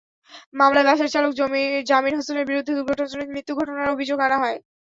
মামলায় বাসের চালক জামির হোসেনের বিরুদ্ধে দুর্ঘটনাজনিত মৃত্যু ঘটানোর অভিযোগ আনা হয়।